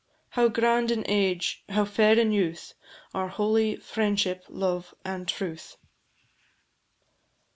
How grand in age, how fair in youth, Are holy "Friendship, Love, and Truth!"